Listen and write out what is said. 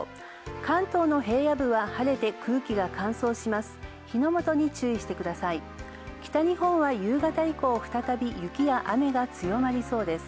関東の平野部は、晴れて空気が乾燥します。